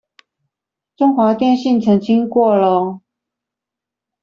中華電信澄清過囉